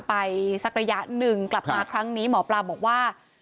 ไปสักระยะหนึ่งกลับมาครั้งนี้หมอปลาบอกว่า